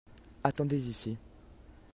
Attendez ici.